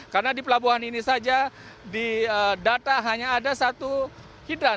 karena di pelabuhan ini saja di data hanya ada satu hidran